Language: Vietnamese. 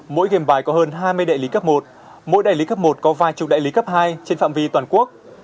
mỗi gam bài có hơn hai mươi đại lý cấp một mỗi đại lý cấp một có vài chục đại lý cấp hai trên phạm vi toàn quốc